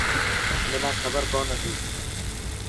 منان کبر ڪون هتي.